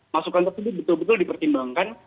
masukan tersebut betul betul dipertimbangkan